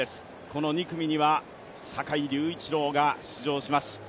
この２組には、坂井隆一郎が出場します。